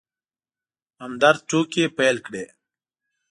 همدرد ټوکې پيل کړې.